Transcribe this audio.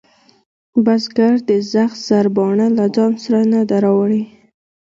بزگر د زخ سرباڼه له ځانه سره نه ده راوړې.